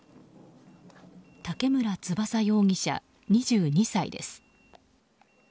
竹村飛翔容疑者、２２歳です。